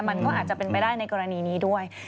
มันก็อาจจะเป็นไปได้ในกรณีนี้ด้วย